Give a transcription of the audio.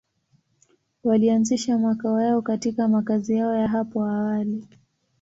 Walianzisha makao yao katika makazi yao ya hapo awali.